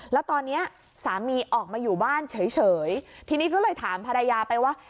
แล้วตอนนี้สามีออกมาอยู่บ้านเฉยทีนี้ก็เลยถามภรรยาไปว่า